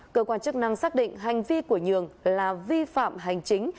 cơ quan chức năng xác định hành vi của nhường là vi phạm hành chính